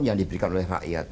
yang diberikan oleh rakyat